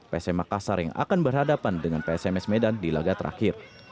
psm makassar yang akan berhadapan dengan psms medan di laga terakhir